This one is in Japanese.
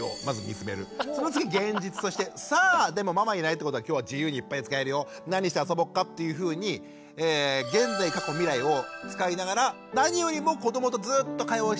その次現実として「さあでもママいないってことは今日は自由にいっぱい使えるよ何して遊ぼっか」っていうふうに現在過去未来を使いながら何よりも子どもとずっと会話をし続けて見守るってこと。